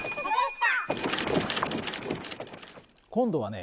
今度はね